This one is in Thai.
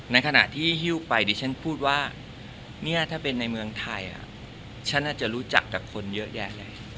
ในขณะที่ฮิ้วไปดิฉันพูดว่าเนี่ยถ้าเป็นในเมืองไทยฉันอาจจะรู้จักกับคนเยอะแยะเลย